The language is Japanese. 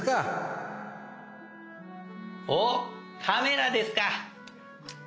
おっカメラですか。